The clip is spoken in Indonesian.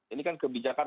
ini kan kebijakan